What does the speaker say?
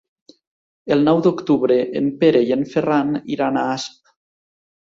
El nou d'octubre en Pere i en Ferran iran a Asp.